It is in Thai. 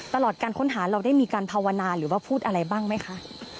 ตลอดการค้นหาเราได้มีการภาวนาหรือว่าพูดอะไรบ้างไหมคะ